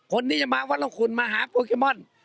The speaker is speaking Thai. คนนี้จะมาวัดละคุณมาหาโปเกมอน